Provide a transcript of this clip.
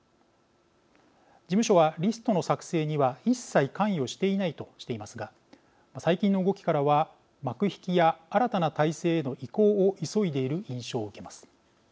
事務所はリストの作成には一切関与していないとしていますが最近の動きからは幕引きや新たな体制への移行を急いでいる印象を受けます。